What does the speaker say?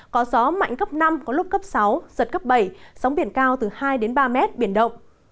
có gió mạnh cấp năm có lúc cấp sáu giật cấp bảy sóng biển cao từ hai đến ba mét biển động